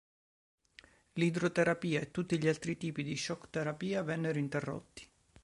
L'idroterapia e tutti gli altri tipi di shock-terapia vennero interrotti.